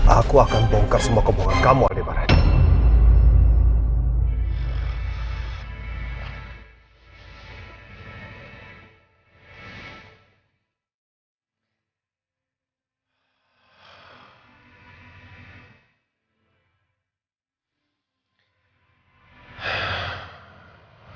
aku akan bongkar semua kebohongan kamu ade baradil